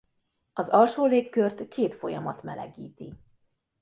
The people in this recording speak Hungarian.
Az alsó légkört két folyamat melegíti.